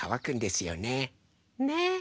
ねえ。